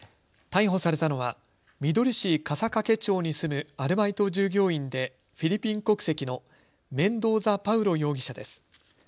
逮捕されたのはみどり市笠懸町に住むアルバイト従業員でフィリピン国籍のメンドーザ・パウロ容疑者です。